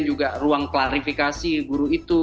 juga ruang klarifikasi guru itu